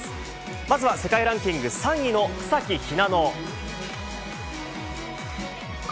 まずは世界ランキング３位の草木ひなの。